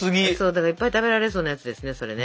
だからいっぱい食べられそうなやつですねそれね。